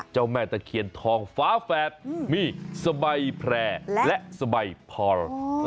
เจ้าแม่ตะเคียนทองฟ้าแฝดมีสบายแพร่และสบายพอ